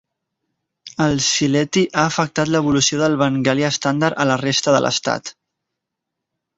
El sylheti ha afectat l'evolució del bengalí estàndard a la resta de l'estat.